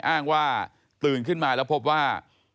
อ้างว่าตื่นขึ้นมาแล้วพบว่า